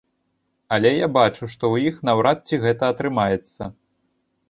Але я бачу, што ў іх наўрад ці гэта атрымаецца.